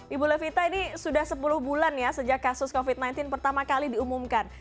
ibu levita ini sudah sepuluh bulan ya sejak kasus covid sembilan belas pertama kali diumumkan